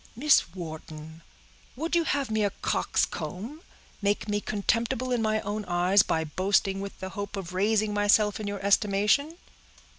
"Miss Wharton, would you have me a coxcomb—make me contemptible in my own eyes, by boasting with the hope of raising myself in your estimation?"